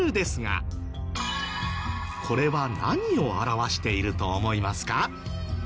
これは何を表していると思いますか？